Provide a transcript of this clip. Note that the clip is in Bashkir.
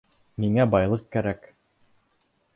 Миңә байлыҡ кәрәк!